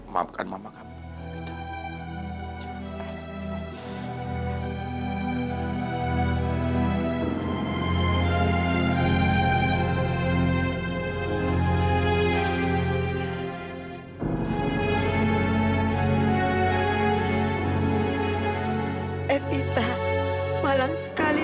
sampai jumpa di video selanjutnya